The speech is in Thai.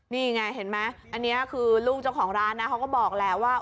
นี่ไงเห็นไหมอันนี้คือลูกเจ้าของร้านนะเขาก็บอกแหละว่า